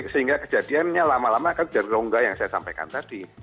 sehingga kejadiannya lama lama akan jadi rongga yang saya sampaikan tadi